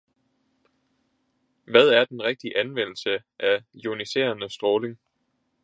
Hvad er den rigtige anvendelse af ioniserende stråling?